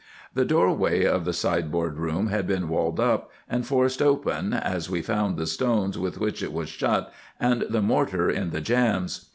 The door way of the sideboard room had been walled up, and forced open, as we found the stones with which it was shut, and the mortar in the jambs.